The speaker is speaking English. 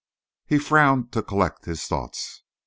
He frowned to collect his thoughts.